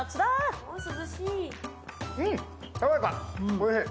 おいしい。